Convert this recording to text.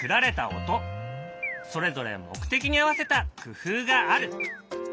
それぞれ目的に合わせた工夫がある。